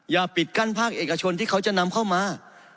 อย่าปิดกั้นภาคเอกชนที่เขาจะนำเข้ามา